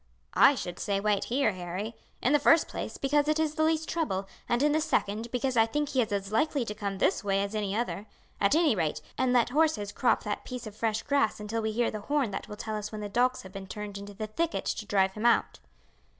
"I should say wait here, Harry; in the first place, because it is the least trouble, and in the second, because I think he is as likely to come this way as any other. At any rate we may as well dismount here, and let horses crop that piece of fresh grass until we hear the horn that will tell us when the dogs have been turned into the thicket to drive him out."